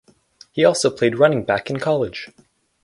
He also played running back in college.